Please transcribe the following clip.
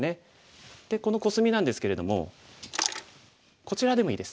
でこのコスミなんですけれどもこちらでもいいです。